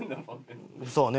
そうね。